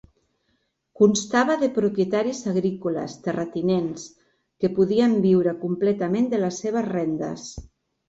Constava de propietaris agrícoles terratinents que podien viure completament de les seves rendes.